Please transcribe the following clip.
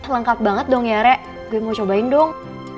lengkap banget dong ya rek gue mau cobain dong